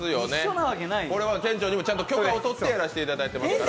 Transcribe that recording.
これは店長にもちゃんと許可を取ってやらせてもらってますから。